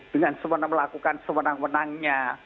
dengan semuanya melakukan semenang menangnya